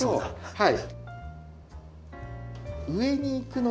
はい。